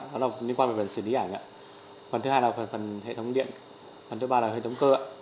nó liên quan về phần xử lý ảnh phần thứ hai là phần hệ thống điện phần thứ ba là hệ thống cơ